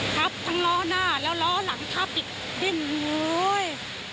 ทับทั้งล้อหน้าแล้วล้อหลังทับอีกดิ้นโอ้ย